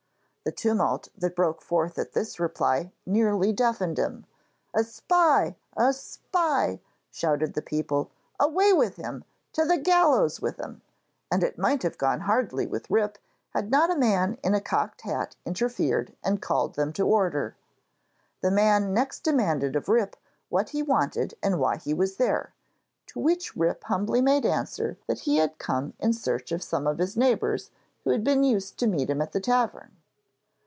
The tumult that broke forth at this reply nearly deafened him. 'A spy! a spy!' shouted the people, 'away with him! to the gallows with him!' and it might have gone hardly with Rip had not a man in a cocked hat interfered and called them to order. The man next demanded of Rip what he wanted and why he was there, to which Rip humbly made answer that he had come in search of some of his neighbours who had been used to meet him at the tavern.